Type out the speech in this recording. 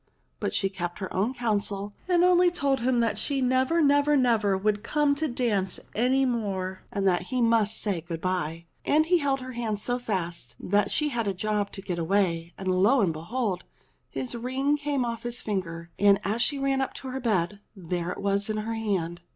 But she kept her own counsel and only told him that she never, never, never would come to dance any more, and that he must say good bye. And he held her hand so fast that she had a job to get away, and lo and be hold ! his ring came off his finger, and as she ran up to her bed there it was in her hand